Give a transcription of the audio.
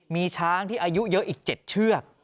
มีช้างที่อายุเยอะอีก๗เชือก